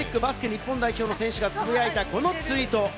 日本代表の選手がつぶやいた、このツイート。